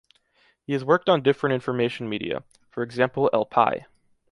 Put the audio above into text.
He has worked on different information media, for example El País.